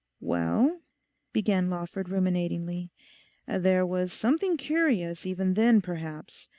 'Well,' began Lawford ruminatingly, 'there was something curious even then, perhaps.